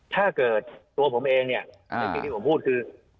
ถ้าเกิดตัวผมเองเนี่ยในสิ่งที่ผมพูดคือ